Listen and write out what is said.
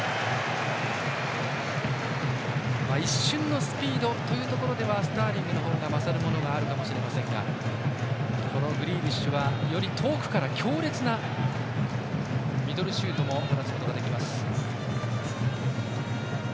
一瞬のスピードというところではスターリングの方が勝るものがあるかもしれませんがグリーリッシュは、より遠くから強烈なミドルシュートも放つことができます。